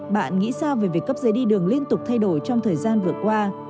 bạn nghĩ sao về việc cấp giấy đi đường liên tục thay đổi trong thời gian vừa qua